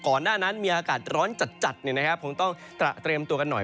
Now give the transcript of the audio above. หน้านั้นมีอากาศร้อนจัดคงต้องเตรียมตัวกันหน่อย